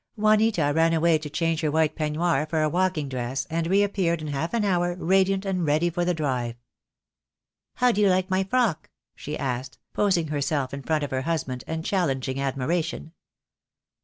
Juanita ran away to change her white peignoir for a walking dress, and reappeared in half an hour radiant and ready for the drive. "How do you like my frock?" she asked, posing her self in front of her husband, and challenging admiration.